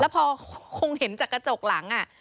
พอคงเห็นจากกระจกหลัง